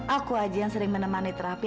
aku aja yang sering menemani terapi